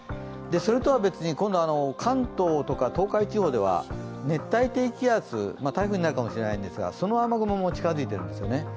それとは別に、今度は関東とか東海地方では熱帯低気圧、台風になるかもしれないんですが、その雨雲も近づいているんですよね。